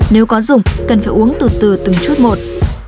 nếu có dùng cần phải uống từ từ từng chút một